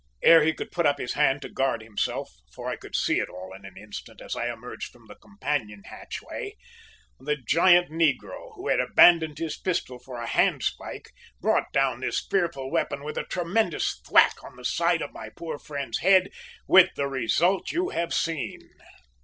"Ere he could put up his hand to guard himself, for I could see it all in an instant, as I emerged from the companion hatchway, the giant negro, who had abandoned his pistol for a hand spike, brought down this fearful weapon with a tremendous thwack on the side of my poor friend's head with the result you have seen."